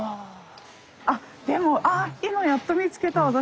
あっでもあ今やっと見つけた私。